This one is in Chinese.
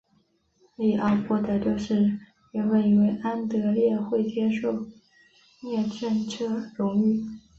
利奥波德六世原本以为安德烈会接受摄政这荣誉。